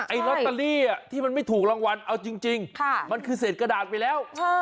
ลอตเตอรี่ที่มันไม่ถูกรางวัลเอาจริงมันคือเศษกระดาษไปแล้ว